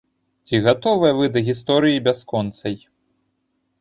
Ці гатовыя вы да гісторыі бясконцай?